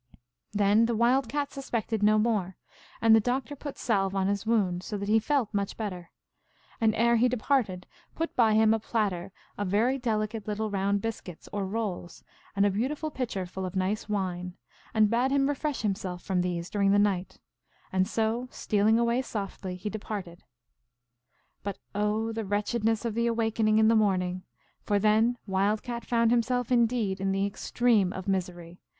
Then the Wild Cat suspected no more, and the Doctor put salve on his wound, so that he felt much better, and, ere he de parted, put by him a platter of very delicate little round biscuits, or rolls, and a beautiful pitcher full of nice wine, and bade him refresh himself from these during the night, and so, stealing away softly, he departed. But oh, the wretchedness of the awaking in the morning ! For then Wild Cat found himself indeed in the extreme of misery.